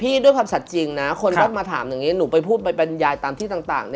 ด้วยความสัดจริงนะคนก็มาถามอย่างนี้หนูไปพูดไปบรรยายตามที่ต่าง